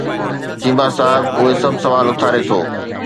چيما صاحب اهي سڀ سوال اٿاري ٿو.